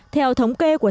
theo thống kê của